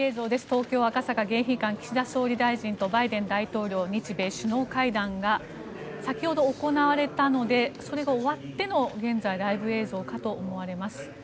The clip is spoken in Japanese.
東京・赤坂の迎賓館岸田総理大臣とバイデン大統領日米首脳会談が先ほど、行われたのでそれが終わっての現在ライブ映像かと思われます。